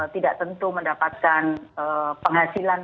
tidak tentu mendapatkan penghasilan